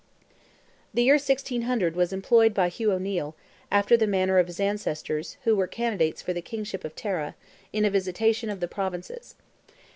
The year 1600 was employed by Hugh O'Neil, after the manner of his ancestors, who were candidates for the Kingship of Tara, in a visitation of the Provinces.